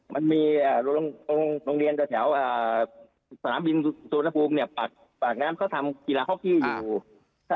มันมีโรงเรียนแถวสนามบินสุวรรณภูมิเนี่ยปากน้ำเขาทำกีฬาฮอกคิวอยู่